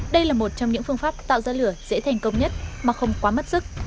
đây là một trong những phương pháp tạo ra lửa dễ thành công nhất mà không quá mất sức